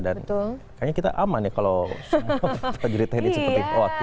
dan kayaknya kita aman ya kalau semua prajurit ini seperti waktu ini